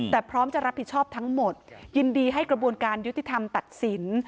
แต่พร้อมจะรับผิดชอบทั้งหมดยินดีให้กระบวนการยุติธรรมตัดสิน